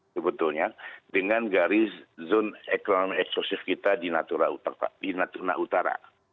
sebetulnya dengan garis zone ekonomi eksklusif kita di natuna utara